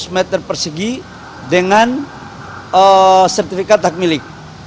lima ratus meter persegi dengan sertifikat hak milik